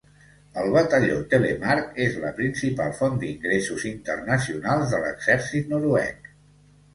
El batalló Telemark és la principal font d'ingressos internacionals de l'exèrcit noruec.